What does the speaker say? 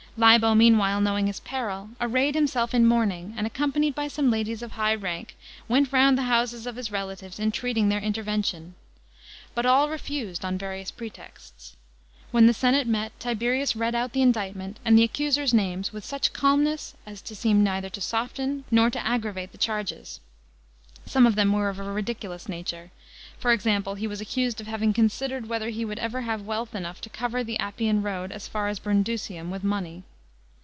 Libo meanwhile knowing his peril, arrayed himself in mourning, and accompanied by some ladies of high rank, went round the houses of his relatives, entreating their intervention. But all refused on various pretexts. When the senate met, Tiberius read out the indictment and the accusers' names with such calmness as to seem neither to soften nor to aggravate the charges. Some of them were of a ridiculous nature ; for example he was accused of having considered whether he would ever have wealth enough to cover the Appian Road as far as Brundusium with money.